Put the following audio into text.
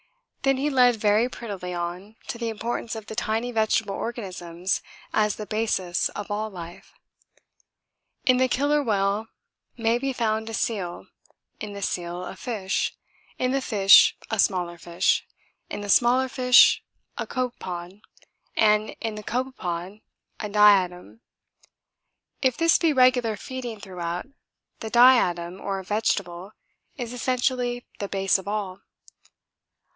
Then he led very prettily on to the importance of the tiny vegetable organisms as the basis of all life. In the killer whale may be found a seal, in the seal a fish, in the fish a smaller fish, in the smaller fish a copepod, and in the copepod a diatom. If this be regular feeding throughout, the diatom or vegetable is essentially the base of all.